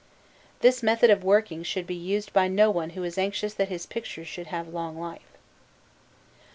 This method of working should be used by no one who is anxious that his pictures should have long life.